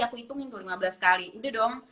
aku hitungin tuh lima belas kali udah dong